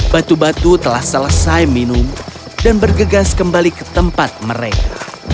batu batu telah selesai minum dan bergegas kembali ke tempat mereka